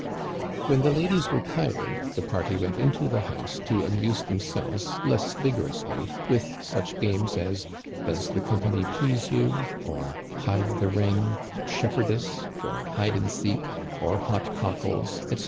When the ladies were tired the party went into the house to amuse themselves less vigorously with such games as " does the company please you," or " hide the ring," "shepherdess," or "hide and seek," or "hot cockles," etc.